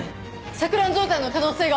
錯乱状態の可能性が。